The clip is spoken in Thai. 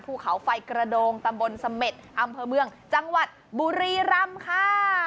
ภูเขาไฟกระโดงตำบลเสม็ดอำเภอเมืองจังหวัดบุรีรำค่ะ